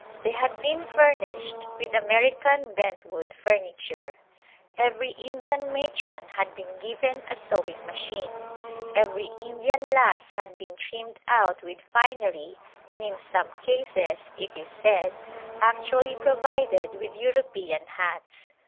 They had been furnished with American bentwood furniture. Every Indian matron had been given a sewing machine; every Indian lass had been trimmed out with finery and in some cases, it is said, actually provided with European hats.